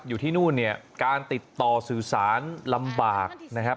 อยู่ที่นู่นเนี่ยการติดต่อสื่อสารลำบากนะครับ